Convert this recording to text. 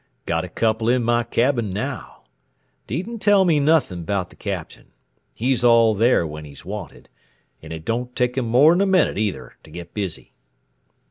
Got a couple in my cabin now. Needn't tell me nothin' about the Captain. He's all there when he's wanted, and it don't take him more'n a minute, either, to get busy."